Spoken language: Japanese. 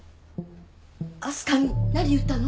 明日香に何言ったの？